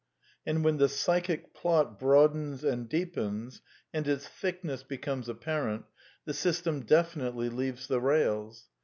And when the psychic plot broadens and deepens, and its ^^ thickness " becomes appar ent, the system definitely leaves the rails.